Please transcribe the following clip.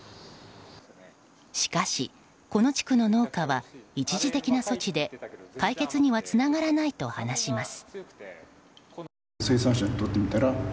しかし、この地区の農家は一時的な措置で解決にはつながらないと話します。